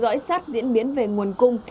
điểm quan sát diễn biến về nguồn cung